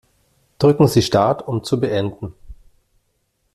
Drücken Sie Start, um zu beenden.